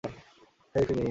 হেই, ফিনি।